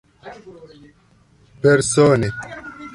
persone